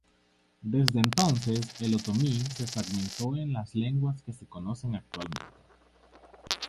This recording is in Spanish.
Desde entonces, el otomí se fragmentó en las lenguas que se conocen actualmente.